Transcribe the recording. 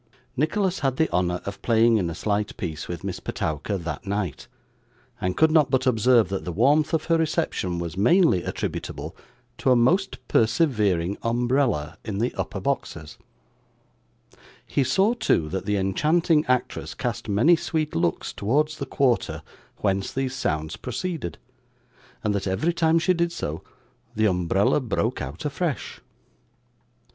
Nicholas had the honour of playing in a slight piece with Miss Petowker that night, and could not but observe that the warmth of her reception was mainly attributable to a most persevering umbrella in the upper boxes; he saw, too, that the enchanting actress cast many sweet looks towards the quarter whence these sounds proceeded; and that every time she did so, the umbrella broke out afresh.